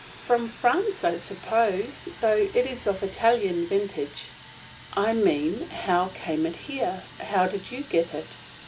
"From France, I suppose; though it is of Italian vintage." "I mean, how came it here? How did you get it?"